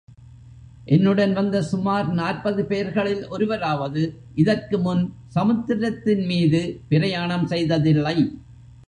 என்னுடன் வந்த சுமார் நாற்பது பெயர்களில் ஒருவராவது இதற்கு முன் சமுத்திரத்தின் மீது பிரயாணம் செய்ததில்லை.